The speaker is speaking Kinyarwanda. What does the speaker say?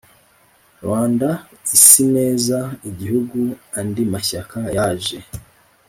Rwandaisineza igihugu Andi mashyaka yaje